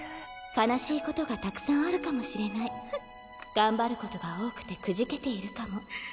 「悲しいことがたくさんあるかもしれない」「頑張ることが多くてくじけているかも」